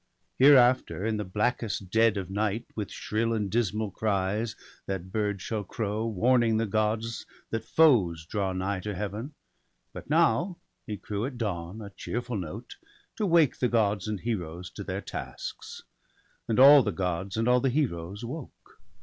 Hereafter, in the blackest dead of night, With shrill and dismal cries that bird shall crow, Warning the Gods that foes draw nigh to Heaven; But now he crew at dawn, a cheerful note, To wake the Gods and Heroes to their tasks. And all the Gods, and all the Heroes, woke.